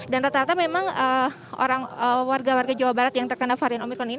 dan rata rata memang warga warga jawa barat yang terkena varian omikron ini